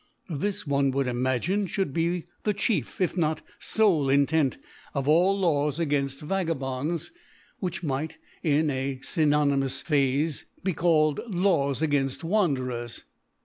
This, one would im^ine, fhould be the chief, if not foie Intent of all Laws againll Vagabonds, which might, in a fynonymous Phrafe, be called Laws againft Wanderers.